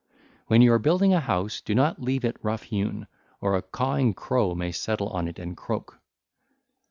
(ll. 746 747) When you are building a house, do not leave it rough hewn, or a cawing crow may settle on it and croak.